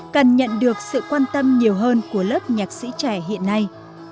cần nhận được sự quan tâm nhiều hơn của lớp nhạc sĩ trẻ hiện nay